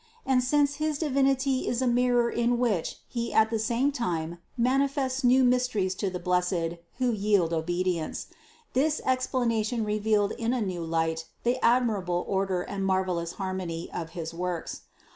And since his Divinity is a mirror in which He at the same time manifests new mysteries to the blessed who yield obedience, this explanation revealed in a new light the admirable order and marvelous harmony of his works.